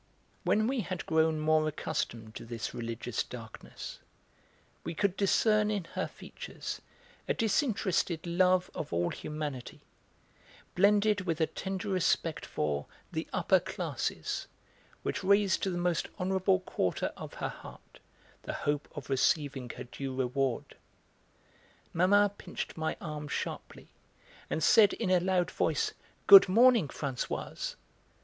When we had grown more accustomed to this religious darkness we could discern in her features a disinterested love of all humanity, blended with a tender respect for the 'upper classes' which raised to the most honourable quarter of her heart the hope of receiving her due reward. Mamma pinched my arm sharply and said in a loud voice: "Good morning, Françoise."